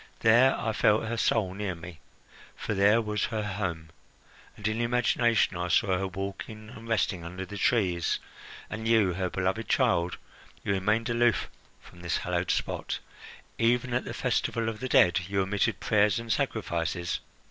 There I felt her soul near me; for there was her home, and in imagination I saw her walking and resting under the trees. And you her beloved child you remained aloof from this hallowed spot! Even at the festival of the dead you omitted prayers and sacrifices?"